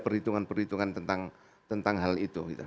perhitungan perhitungan tentang hal itu